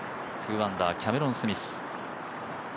２アンダー、キャメロン・スミス。